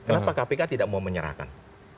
kenapa kpk tidak mau menyerahkan